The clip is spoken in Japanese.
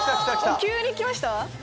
急にきました？